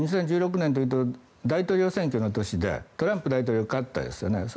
２０１６年というと大統領選挙の年でトランプ大統領が勝ちましたよね。